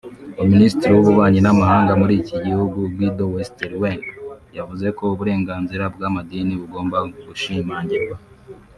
Minisitiri w’Ububanyi n’Amahanga muri iki gihugu Guido Westerwelle yavuze ko uburenganzira bw’amadini bugomba gushimangirwa